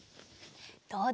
どうだ？